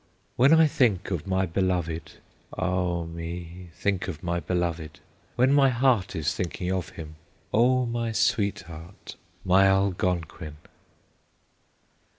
"When I think of my beloved, Ah me! think of my beloved, When my heart is thinking of him, O my sweetheart, my Algonquin!"